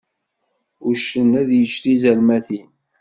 Uccen ad yečč tizermatin.